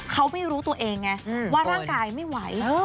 เขาไม่รู้ตัวเองไงว่าร่างกายไม่ไหว